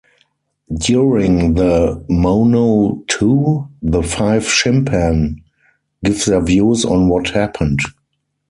During the "mono-ii" the five "shimpan" give their views on what happened.